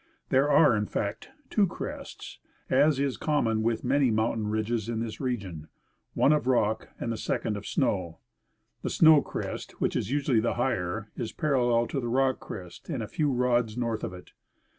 There are, in fact, two crests, as is common with .many mountain ridges in this rigion, one of rock and the second of snow ; the snow crest, which is usually the higher, is parallel to the rock crest and a few rods north of it.